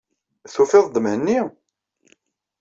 Tufid-d Mhenni?